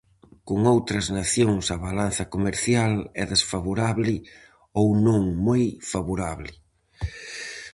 Con outras nacións a balanza comercial é desfavorable ou non moi favorable.